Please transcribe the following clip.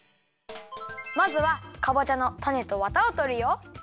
まずはかぼちゃのたねとワタをとるよ。